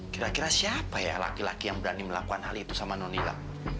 kira kira siapa ya laki laki yang berani melakukan hal itu sama nonila